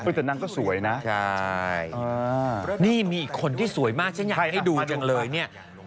แต่นางก็สวยนะใช่นี่มีอีกคนที่สวยมากฉันอยากให้ดูจังเลยเนี่ย